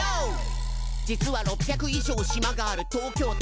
「実は６００以上島がある東京都」